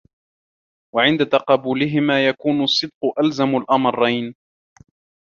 وَعِنْدَ تَقَابُلِهِمَا يَكُونُ الصِّدْقُ أَلْزَمَ الْأَمْرَيْنِ